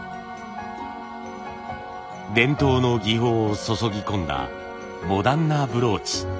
伝統の技法を注ぎ込んだモダンなブローチ。